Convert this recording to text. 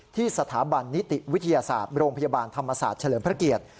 ที่สถาบันนิติวิทยาศาสตร์โรงพยาบาลธรรมศาสตร์เฉลิมพระเกียรติ